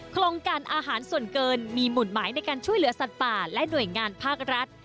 โครงการอาหารส่วนเกินมีหมุนหมายในการช่วยเหลือสัตว์ป่าและหน่วยงานภาครัฐ